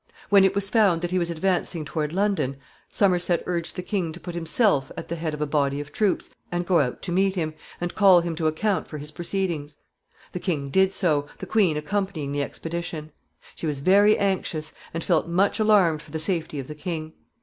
When it was found that he was advancing toward London, Somerset urged the king to put himself at the head of a body of troops and go out to meet him, and call him to account for his proceedings. The king did so, the queen accompanying the expedition. She was very anxious, and felt much alarmed for the safety of the king.